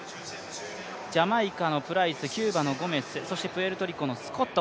ジャマイカのプライス、キューバのゴメス、そしてプエルトリコのスコット